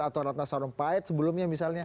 atau ratna sarumpait sebelumnya misalnya